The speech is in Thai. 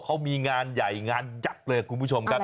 เขามีงานใหญ่งานยักษ์เลยคุณผู้ชมครับ